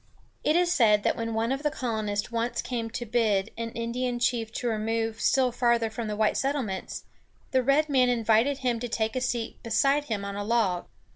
It is said that when one of the colonists once came to bid an Indian chief to remove still farther from the white settlements, the red man invited him to take a seat beside him on a log.